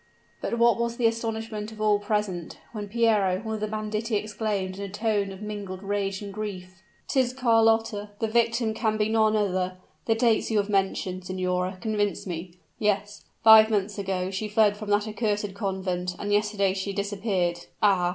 But what was the astonishment of all present, when Piero, one of the banditti, exclaimed in a tone of mingled rage and grief, "'Tis Carlotta! the victim can be none other the dates you have mentioned, signora, convince me! Yes five months ago she fled from that accursed convent and yesterday she disappeared. Ah!